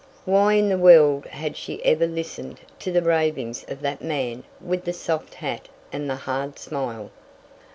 Why in the world had she ever listened to the ravings of that man with the soft hat and the hard smile?